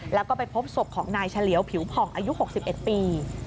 แล้วก็ไปพบศพของนายเฉลียวผิวผ่องอายุ๖๑ปี